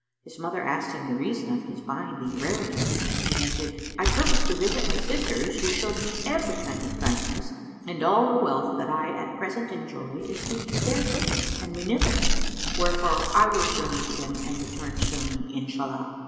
His mother asked him the reason of his buying these rarities and he answered, "I purpose to visit my sisters, who showed me every kind of kindness and all the wealth that I at present enjoy is due to their goodness and munificence: wherefore I will journey to them and return soon, Inshallah!"